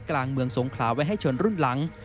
กลางเมืองสงขลาไว้ให้ชนรุ่นหลัง